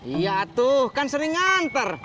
iya tuh kan sering nganter